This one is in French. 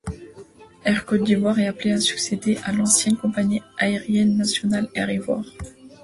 Air Côte d'Ivoire est appelée à succéder à l'ancienne compagnie aérienne nationale Air Ivoire.